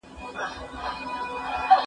هغه لاملونه وڅېړئ چې پر سياست اغېز لري.